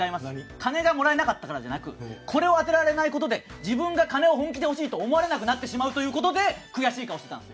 金がもらえなかったことじゃなくこれを当てられないことで自分が本気でお金が欲しいと思われなくなってしまうことで悔しい顔してたんです。